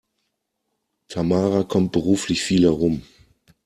Tamara kommt beruflich viel herum.